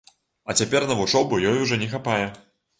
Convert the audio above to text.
А цяпер на вучобу ёй ўжо не хапае.